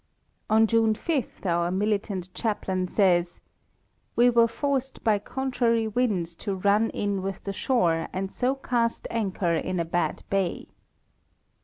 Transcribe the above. On June 5 our militant chaplain says: '"' Wee were forced by contrary windes to runne in with the shoare, and so cast anchor in a bad bay."